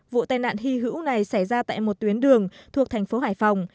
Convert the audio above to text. vụ tai nạn hy hữu này xảy ra tại một tuyến đường thuộc thành phố hải phòng